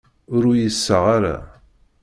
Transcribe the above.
Ur uyiseɣ ara.